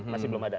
masih belum ada